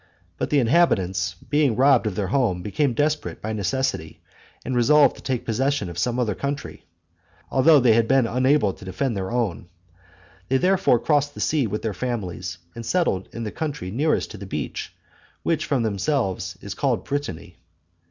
But the inhabitants, being robbed of their home, became desperate by necessity and resolved to take possession of some other country, although they had been unable to defend their own. They therefore crossed the sea with their families, and settled in the country nearest to the beach, which from themselves is called Brittany.